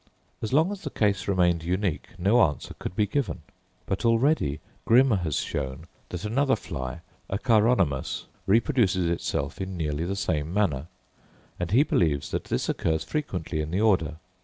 As long as the case remained unique no answer could be given. But already Grimm has shown that another fly, a Chironomus, reproduces itself in nearly the same manner, and he believes that this occurs frequently in the order.